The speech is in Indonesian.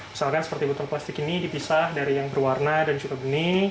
misalkan seperti botol plastik ini dipisah dari yang berwarna dan juga benih